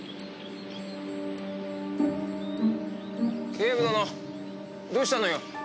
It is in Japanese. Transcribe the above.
警部殿どうしたのよ。